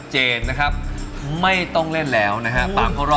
เฮ้ยทำไมเชื่องานยั่ววะ